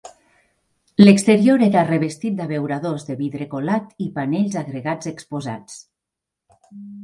L'exterior era revestit d'abeuradors de vidre colat i panells agregats exposats.